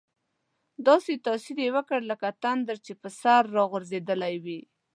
داسې تاثیر یې وکړ لکه تندر چې په سر را غورځېدلی وي.